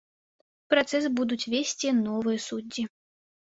Працэс будуць весці новыя суддзі.